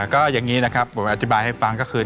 ก็อย่างนี้นะครับผมอธิบายให้ฟังก็คือ